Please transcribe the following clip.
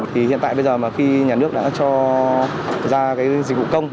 thì hiện tại bây giờ mà khi nhà nước đã cho ra cái dịch vụ công